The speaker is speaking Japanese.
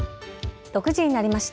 ６時になりました。